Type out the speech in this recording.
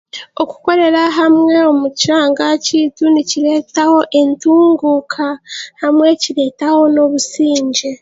Okukorera hamwe omu kyanga kyaitu nikireetaho entunguuka hamwe kireetaho n'obusingye